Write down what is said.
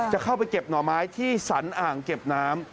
จะเข้าไปเก็บหน่อไม้ที่สรรอ่างเก็บน้ำ